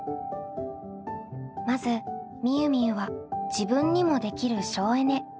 まずみゆみゆは自分にもできる省エネについて調べます。